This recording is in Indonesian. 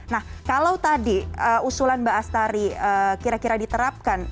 nah kalau tadi usulan mbak astari kira kira diterapkan